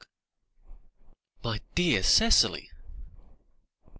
"My dear Cicely!"